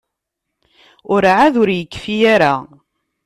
Werɛad ur yekfi ara.